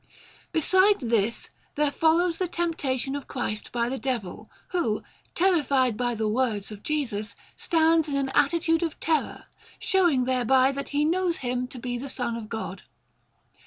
Beside this there follows the Temptation of Christ by the Devil, who, terrified by the words of Jesus, stands in an attitude of terror, showing thereby that he knows Him to be the Son of God.